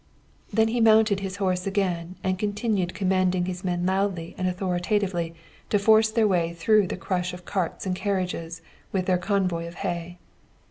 "Then he mounted his horse again, and continued commanding his men loudly and authoritatively to force their way through the crush of carts and carriages with their convoy of hay.